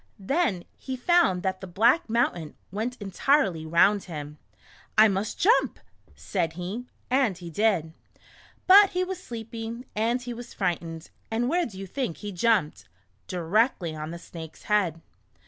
Then he found that the "black mountain " went entirely round him. "I must jump," said he, and he did. But he was sleepy, and he was frightened, and where do you think he jumped ? Directly on the Snake's head